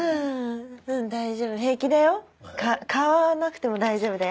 大丈夫平気だよ買わなくても大丈夫だよ。